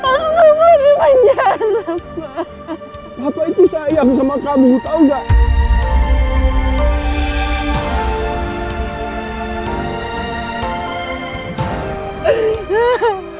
aku baru menjaga papa papa itu saya sama kamu tau gak